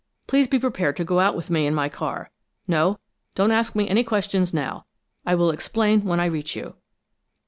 Please be prepared to go out with me in my car. No, don't ask me any questions now. I will explain when I reach you."